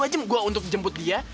dua jam gue untuk jemput dia